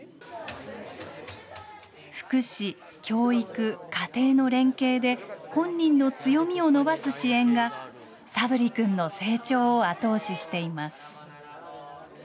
福祉、教育、家庭の連携で、本人の強みを伸ばす支援が佐分利君の成長を後押ししています。